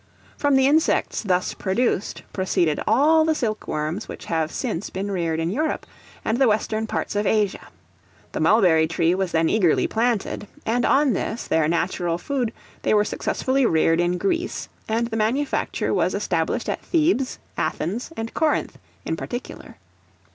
From the insects thus produced, proceeded all the silk worms which have since been reared in Europe, and the western parts of Asia. The mulberry tree was then eagerly planted, and on this, their natural food, they were successfully reared in Greece; and the manufacture was established at Thebes, Athens, and Corinth, in particular.